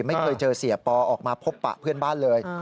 ไม่เคยเจอเสียปอออกมาพบปะเพื่อนบ้านเลย